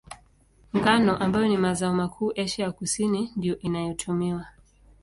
Ngano, ambayo ni mazao makuu Asia ya Kusini, ndiyo inayotumiwa.